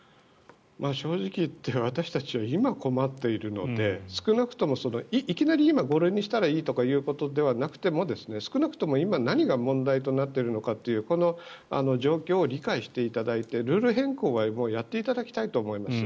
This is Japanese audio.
正直言って私たちは今、困っているので少なくとも、いきなり今５類にしたらいいということではなくても少なくとも、今何が問題となっているのかというこの状況を理解していただいてルール変更はもうやっていただきたいと思います。